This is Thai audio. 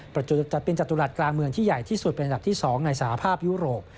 จัดเป็นจตุรัสกลางเมืองที่ใหญ่ที่สุดเป็นอันดับที่๒ในสหภาพยุโรป